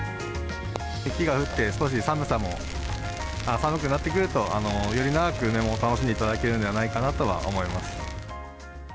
雪が降って、少し寒さも寒くなってくると、より長く梅も楽しんでいただけるのではないかなと思います。